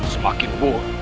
akan semakin buruk